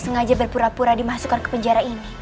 sengaja berpura pura dimasukkan ke penjara ini